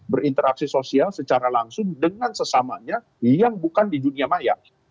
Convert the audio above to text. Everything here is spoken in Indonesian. berinteraksi sosial secara langsung dengan sesamanya yang bukan di dunia maya